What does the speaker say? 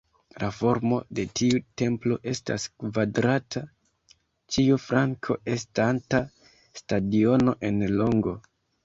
La formo de tiu templo estas kvadrata, ĉiu flanko estanta stadiono en longo.